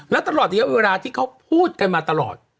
และตลอดระยะเวลาที่เขาพูดกันมาตลอด